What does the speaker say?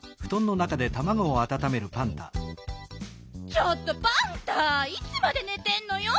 ちょっとパンタいつまでねてんのよ！